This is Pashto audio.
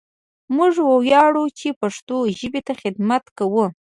موږ وياړو چې پښتو ژبې ته خدمت کوو!